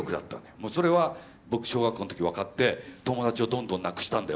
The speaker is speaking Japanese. もうそれは僕小学校の時分かって友達をどんどんなくしたんだよ。